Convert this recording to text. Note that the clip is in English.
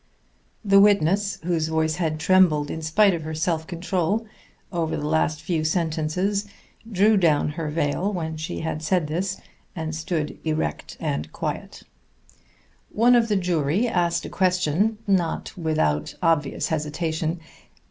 The witness, whose voice had trembled in spite of her self control, over the last few sentences, drew down her veil when she had said this, and stood erect and quiet. One of the jury asked a question, not without obvious hesitation.